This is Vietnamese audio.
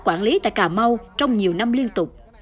quản lý tại cà mau trong nhiều năm liên tục